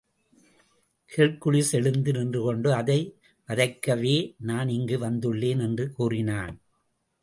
Hercules எழுந்து நின்றுகொண்டு, அதை வதைக்கவே நான் இங்கு வந்துள்ளேன்! என்று கூறினான்.